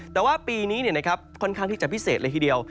แต่ว่าปีนี้ค่อนข้างที่จะพิเศษเลยทีเดียว